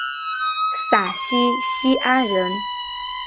陕西西安人。